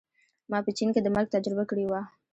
ما په چین کې د مرګ تجربه کړې وه